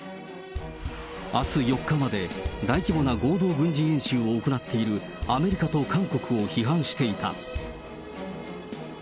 あす４日まで、大規模な合同軍事演習を行っているアメリカと韓国を批判していた。